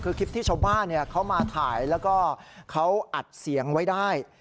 คือคลิปที่ชาวบ้านเขามาถ่ายแล้วก็เขาอัดเสียงไว้ได้